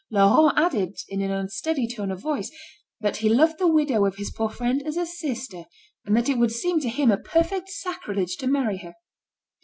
Laurent added, in an unsteady tone of voice, that he loved the widow of his poor friend as a sister, and that it would seem to him a perfect sacrilege to marry her.